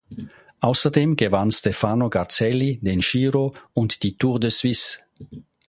Außerdem gewann Stefano Garzelli den "Giro" und die Tour de Suisse.